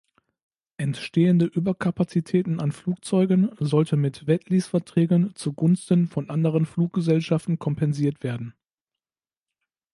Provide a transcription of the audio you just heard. Entstehende Überkapazitäten an Flugzeugen sollten mit Wetlease-Verträgen zu Gunsten von anderen Fluggesellschaften kompensiert werden.